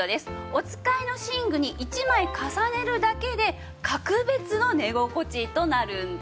お使いの寝具に１枚重ねるだけで格別の寝心地となるんです。